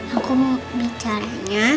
aku mau bicaranya